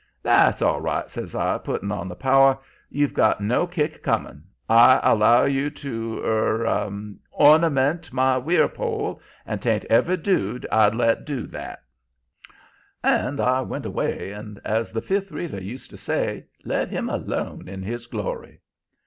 "'That's all right,' says I, putting on the power. 'You've got no kick coming. I allow you to er ornament my weir pole, and 'tain't every dude I'd let do that.' "And I went away and, as the Fifth Reader used to say, 'let him alone in his glory.'